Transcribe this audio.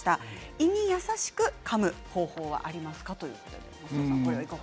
胃に優しくかむ方法はありますかということです。